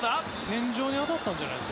天井に当たったんじゃないですか今の。